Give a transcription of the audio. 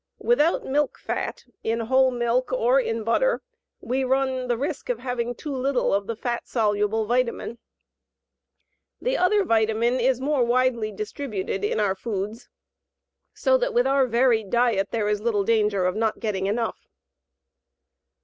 Without milk fat, in whole milk or in butter, we run considerable risk of having too little of the fat soluble vitamine. The other vitamine is more widely distributed in our foods, so that with our varied diet there is little danger of not getting enough.